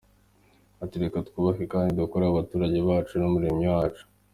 Ati “Reka twubahe kandi dukorere abaturage bacu n’ umuremyi wacu.